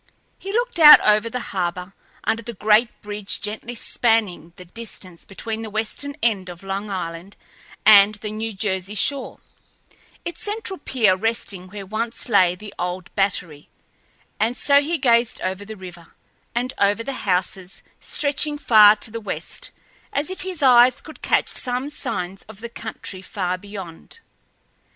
He looked out over the harbor, under the great bridge gently spanning the distance between the western end of Long Island and the New Jersey shore its central pier resting where once lay the old Battery and so he gazed over the river, and over the houses stretching far to the west, as if his eyes could catch some signs of the country far beyond.